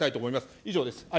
以上です。